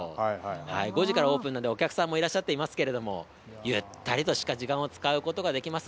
５時からオープンなんで、お客さんもいらっしゃっていますけれども、ゆったりとした時間を使うことができます。